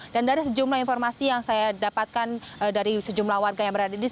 dan dari sejumlah informasi yang saya dapatkan dari sejumlah warga yang berada di nusa kambangan